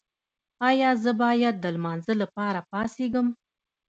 ایا زه باید د لمانځه لپاره پاڅیږم؟